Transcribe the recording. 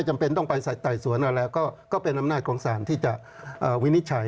จำเป็นต้องไปไต่สวนอะไรก็เป็นอำนาจของสารที่จะวินิจฉัย